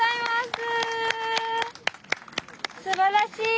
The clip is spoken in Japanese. すばらしい！